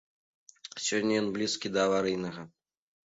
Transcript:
Сёння ён блізкі да аварыйнага.